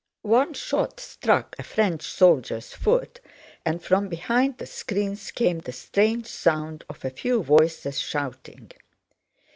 One shot struck a French soldier's foot, and from behind the screens came the strange sound of a few voices shouting.